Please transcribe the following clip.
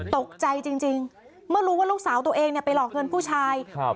ตกใจจริงเมื่อรู้ว่าลูกสาวตัวเองไปหลอกเงินผู้ชาย